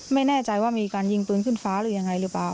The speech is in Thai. ไม่แน่ใจว่ามีการยิงปืนขึ้นฟ้าหรือยังไงหรือเปล่า